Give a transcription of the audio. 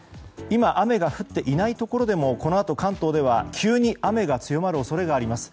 今、雨が降っていないところでもこのあと関東では急に雨が強まる恐れがあります。